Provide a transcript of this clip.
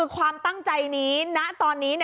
ความตั้งใจนี้ณตอนนี้